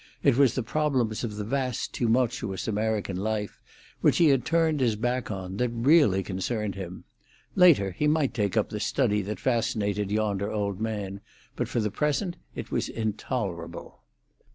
It was the problems of the vast, tumultuous American life, which he had turned his back on, that really concerned him. Later he might take up the study that fascinated yonder old man, but for the present it was intolerable.